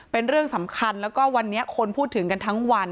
เป็นเรื่องสำคัญแล้วก็วันนี้คนพูดถึงกันทั้งวัน